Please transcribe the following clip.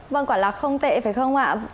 vâng quả là không tệ phải không ạ